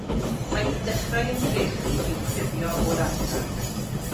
Maent yn dechrau ymdrechu i'w clirio o'r ardal.